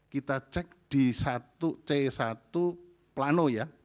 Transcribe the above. kita cek di satu c satu plano ya